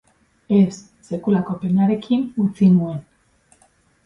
Ez, sekulako penarekin utzi nuen.